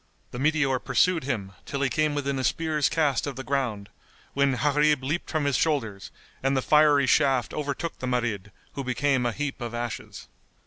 The meteor pursued him, till he came within a spear's cast of the ground, when Gharib leaped from his shoulders and the fiery shaft overtook the Marid, who became a heap of ashes.